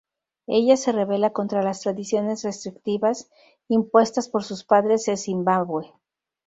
Ella se rebela contra las tradiciones restrictivas impuestas por sus padres en Zimbabwe.